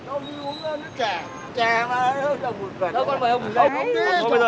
ông đi uống nước chè